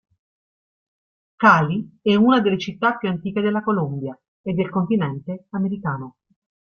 Cali è una delle città più antiche della Colombia e del continente americano.